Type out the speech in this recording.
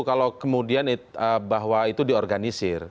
kalau kemudian bahwa itu di organisir